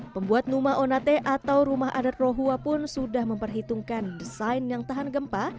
pembuat numa onate atau rumah adat rohua pun sudah memperhitungkan desain yang tahan gempa